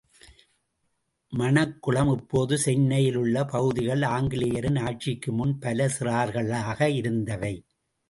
மணக் குளம் இப்போது சென்னையில் உள்ள பகுதிகள், ஆங்கிலேயரின் ஆட்சிக்கு முன் பல சிற்றூர்களாக இருந்தவை.